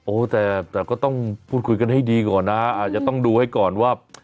แต่ก็ต้องพูดคุยกันให้ดีก่อนนะอาจจะต้องดูให้ก่อนว่า